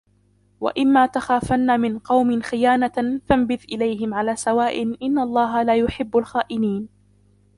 وإما تخافن من قوم خيانة فانبذ إليهم على سواء إن الله لا يحب الخائنين